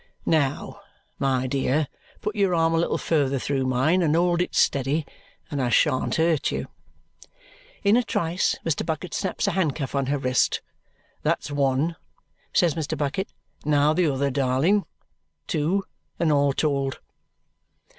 Now, my dear, put your arm a little further through mine, and hold it steady, and I shan't hurt you!" In a trice Mr. Bucket snaps a handcuff on her wrist. "That's one," says Mr. Bucket. "Now the other, darling. Two, and all told!"